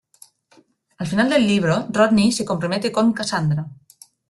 Al final del libro, Rodney se compromete con Cassandra.